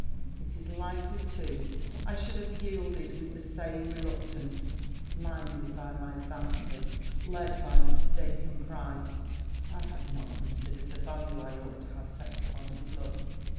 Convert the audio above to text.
It is likely, too, I should have yielded with the same reluctance. Blinded by my vanity led by mistaken pride I had not considered the value I ought to have set upon his love.